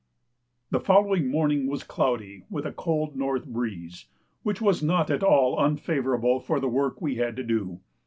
The following morning was cloudy, with a cold north breeze, which was not at all unfavourable for the work we had to do.